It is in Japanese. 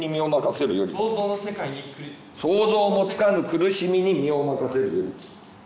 「想像もつかぬ苦しみに身を任せるより」